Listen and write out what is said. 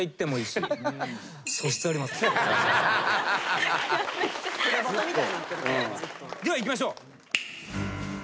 ではいきましょう。